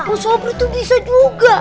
oh sobri tuh bisa juga